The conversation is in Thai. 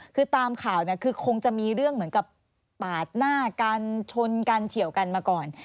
คือตามข่าวเนี่ยคือคงจะมีเรื่องเหมือนกับปาดหน้ากันชนกันเฉียวกันมาก่อน